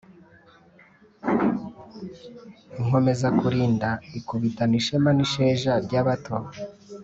Inkomeza kulinda ikubitana ishema n'isheja ry'abato,